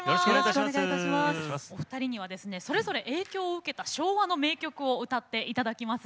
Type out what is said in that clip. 今夜は、お二人がそれぞれ影響を受けた昭和の名曲を歌っていただきます。